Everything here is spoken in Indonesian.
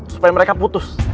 supaya mereka putus